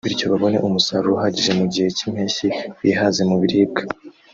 bityo babone umusaruro uhagije mu gihe cy’impeshyi bihaze mu biribwa